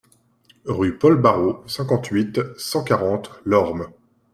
Rue Paul Barreau, cinquante-huit, cent quarante Lormes